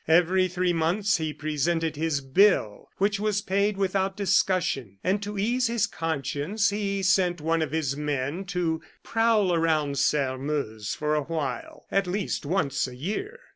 Every three months he presented his bill, which was paid without discussion; and to ease his conscience, he sent one of his men to prowl around Sairmeuse for a while, at least once a year.